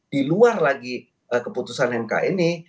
di luar lagi keputusan mk ini